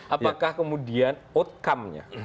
apakah kemudian outcome nya